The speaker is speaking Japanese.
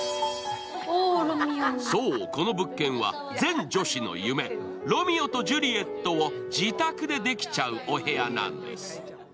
そう、この物件は全女子の夢「ロミオとジュリエット」を自宅でできちゃうお部屋なんです。